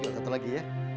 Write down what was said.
satu lagi ya